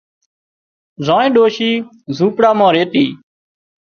زانئينَ ڏوشِي زونپڙا مان ريتي